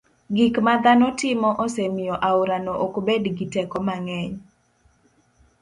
Gik ma dhano timo osemiyo aorano ok bed gi teko mang'eny.